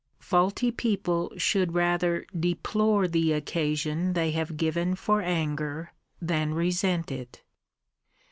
Faulty people should rather deplore the occasion they have given for anger than resent it.